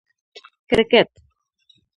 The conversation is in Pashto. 🏏 کرکټ